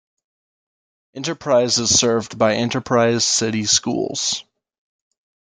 Enterprise is served by Enterprise City Schools.